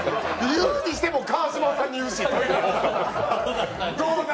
言うにしても川島さんに言うし。